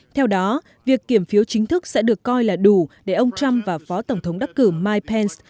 theo đó việc kiểm phiếu chính thức sẽ được coi là đủ để ông trump và phó tổng thống đắc cử mike pence